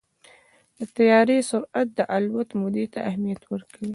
د طیارې سرعت د الوت مودې ته اهمیت ورکوي.